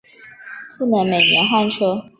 不能每年换车